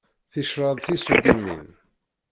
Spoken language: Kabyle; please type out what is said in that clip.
Ticraḍ tisuddimin.